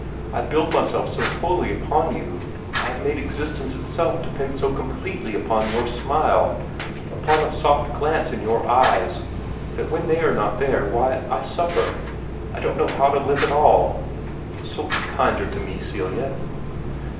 I build myself so wholly upon you, I have made existence itself depend so completely upon your smile, upon a soft glance in your eyes, that when they are not there, why, I suffer, I don't know how to live at all. So be kinder to me, Celia!"